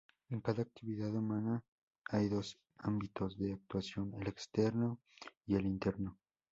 En cada actividad humana hay dos ámbitos de actuación: el externo y el interno.